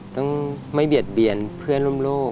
ต้องไม่เบียดเบียนเพื่อนร่วมโลก